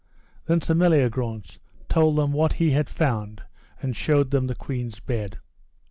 Then Sir Meliagrance told them what he had found, and showed them the queen's bed.